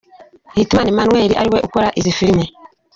Hitimana Emmanuel, ariwe ukora izi filime.